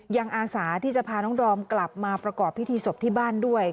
อาสาที่จะพาน้องดอมกลับมาประกอบพิธีศพที่บ้านด้วย